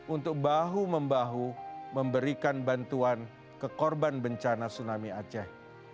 untuk bahu membahu memberikan bantuan ke korban bencana tsunami aceh